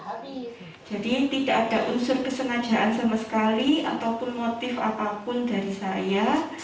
ataupun motif apapun dari saya